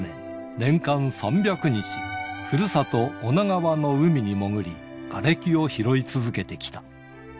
年間３００日、ふるさと、女川の海に潜り、がれきを拾い続けてきた。